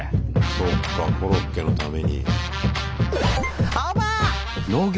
そうかコロッケのために。